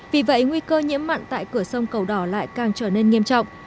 vì vậy nguy cơ nhiễm mặn tại cửa sông cầu đỏ lại càng trở nên nghiêm trọng